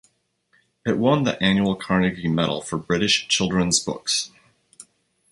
It won the annual Carnegie Medal for British children's books.